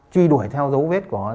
truy đuổi theo dấu vết của nó